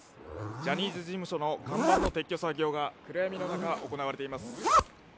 ジャニーズ事務所の看板の撤去作業が暗闇の中、行われています。